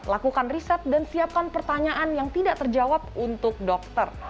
lakukan riset dan siapkan pertanyaan yang tidak terjawab untuk dokter